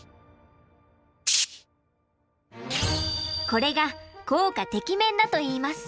これが効果テキメンだといいます。